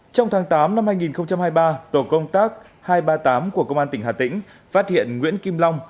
trong tháng tám năm hai nghìn hai mươi ba tổ công tác hai trăm ba mươi tám của công an tỉnh hà tĩnh phát hiện nguyễn kim long